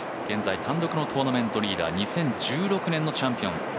現在単独のトーナメントリーダー、２０１６年のチャンピオン。